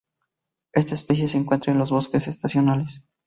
Esta especie se encuentra en los bosques estacionales.